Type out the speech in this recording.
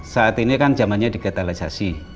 saat ini kan zamannya digitalisasi